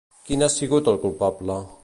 Qui n'ha sigut el culpable?